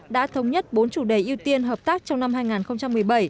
đã thống nhất bốn chủ đề ưu tiên hợp tác trong năm hai nghìn một mươi bảy